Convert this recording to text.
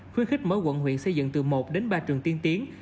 khuyến khích mỗi quận huyện xây dựng từ một đến ba trường tiên tiến